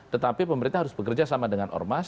tetapi pemerintah harus bekerja sama dengan ormas